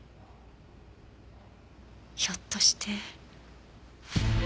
ひょっとして。